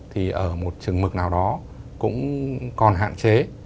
thì ở một trường mực nào đó cũng còn hạn chế